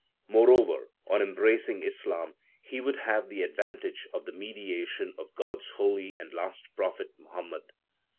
Moreover, on embracing Islam he would have the advantage of the mediation of God s holy and last prophet Muhammad.